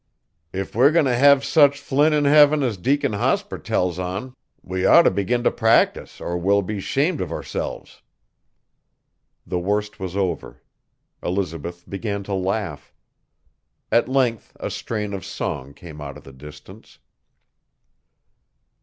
If we're goin' t' hev sech flin in Heaven as Deacon Hospur tells on we oughter begin t' practice er we'll be 'shamed uv ourselves.' The worst was over. Elizabeth began to laugh. At length a strain of song came out of the distance.